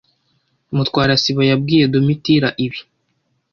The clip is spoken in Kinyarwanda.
Mutwara sibo yabwiye Domitira ibi.